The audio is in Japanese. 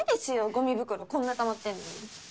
ゴミ袋こんな溜まってるのに。